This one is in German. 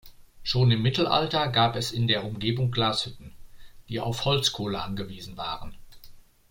Schon im Mittelalter gab es in der Umgebung Glashütten, die auf Holzkohle angewiesen waren.